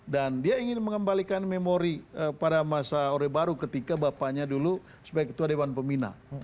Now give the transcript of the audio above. dan dia ingin mengembalikan memori pada masa orebaru ketika bapaknya dulu sebagai ketua dewan pembina